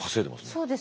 そうですね。